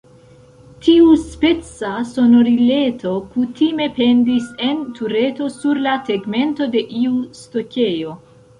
Tiuspeca sonorileto kutime pendis en tureto sur la tegmento de iu stokejo.